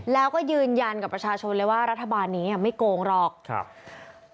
แล้วก็ยืนยันกับประชาชนเลยว่ารัฐบาลนี้ไม่โกงหรอกครับ